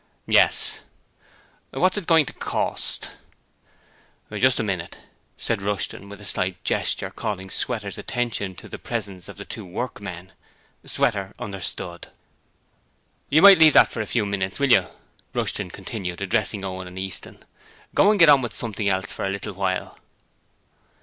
'Yes.' 'What's it going to cost?' 'Just wait a minute,' said Rushton, with a slight gesture calling Sweater's attention to the presence of the two workmen. Sweater understood. 'You might leave that for a few minutes, will you?' Rushton continued, addressing Owen and Easton. 'Go and get on with something else for a little while.'